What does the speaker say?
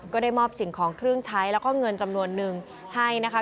ก็ได้มอบสิ่งของเครื่องใช้แล้วก็เงินจำนวนนึงให้นะคะ